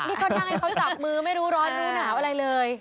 นี่ก็ยังไงเขาจับมือไม่รู้ร้อนมีหนาวอะไรเลย